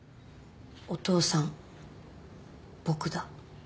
お父さん僕だ？